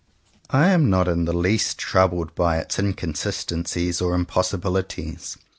I am not in the least troubled by its in consistencies or impossibilities.